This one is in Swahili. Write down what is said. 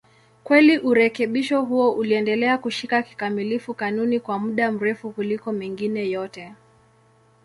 Kweli urekebisho huo uliendelea kushika kikamilifu kanuni kwa muda mrefu kuliko mengine yote.